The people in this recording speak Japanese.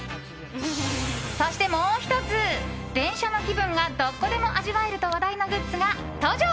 そして、もう１つ電車の気分がどこでも味わえると話題のグッズが登場！